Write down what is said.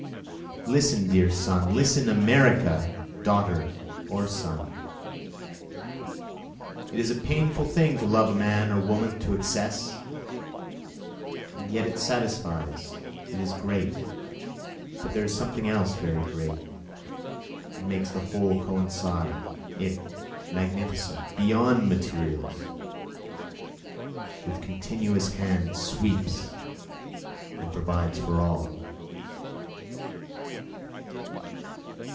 Listen dear son listen America, daughter or son, It is a painful thing to love a man or woman to excess, and yet it satisfies, it is great, But there is something else very great, it makes the whole coincide, It, magnificent, beyond materials, with continuous hands sweeps and provides for all.